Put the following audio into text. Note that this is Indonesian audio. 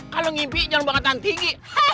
kalau ngimpi jangan bangetan tinggi